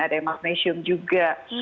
ada emagnesium juga